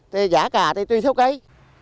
thì giá cả thì tùy theo cây